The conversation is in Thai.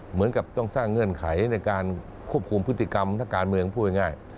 เหมือนกับต้องสร้างเงื่อนไขในการควบคุมพฤติกรรมนักการเมืองพูดง่าย